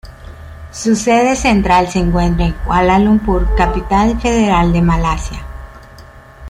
Su sede central se encuentra en Kuala Lumpur, capital federal de Malasia.